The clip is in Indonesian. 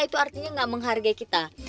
itu artinya gak menghargai kita